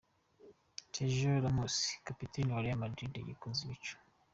Sergio Ramos kapiteni wa Real Madrid yikoza ibicu .